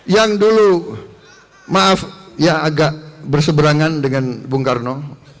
yang dulu maaf ya agak berseberangan dengan bung karno